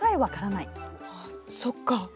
あそっか。